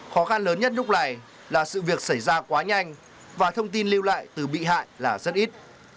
khó khăn lớn nhất lúc này là sự việc xảy ra quá nhanh và thông tin lưu lại từ bị hại là rất ít